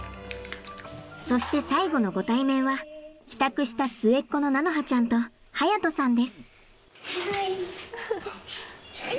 そして最後のご対面は帰宅した末っ子の菜花ちゃんと隼人さんです。